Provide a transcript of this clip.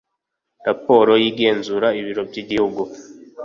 raporo y igenzura ibiro by igihugu